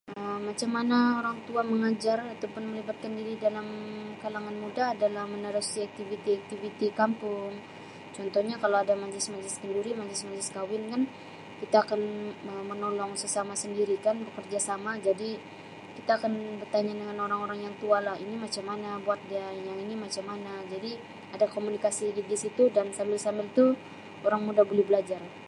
Um Macam mana orang tua mengajar atau pun melibatkan diri dalam kalangan muda adalah menerusi aktiviti-aktiviti kampung contohnya kalau ada majlis-majlis kenduri, majlis-majlis kahwin kan kita akan Um menolong sesama sesama sendiri bekerjasama jadi kita akan bertanya dengan orang-orang yang tua lah, ini macam mana buat dia, yang ini macam mana jadi ada komunikasi dia di situ dan sambil-sambil tu orang muda boleh belajar.